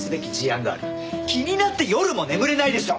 気になって夜も眠れないでしょ！